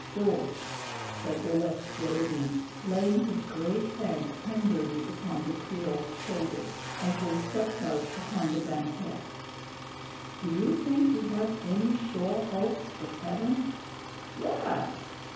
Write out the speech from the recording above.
"Jools," said the West Floridian, laying his great hand tenderly upon the Creole's shoulder, as they stepped out upon the banquette, "do you think you have any shore hopes of heaven?" "Yass!"